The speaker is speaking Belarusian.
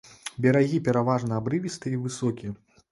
Берагі пераважна абрывістыя і высокія.